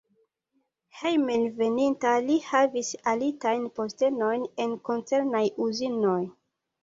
Hejmenveninta li havis altajn postenojn en koncernaj uzinoj.